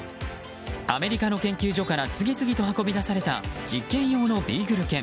アメリカの研究所から次々と運び出された実験用のビーグル犬。